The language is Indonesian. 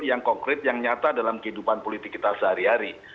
yang konkret yang nyata dalam kehidupan politik kita sehari hari